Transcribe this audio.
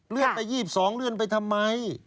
เลื่อนไป๒๒เลื่อนไปทำไม